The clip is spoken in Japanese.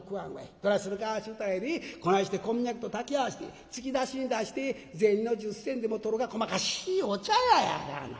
どないするかちゅうたらやでこないしてこんにゃくと炊き合わして突き出しに出して銭の十銭でも取ろかこまかしいお茶屋やがな。